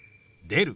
「出る」。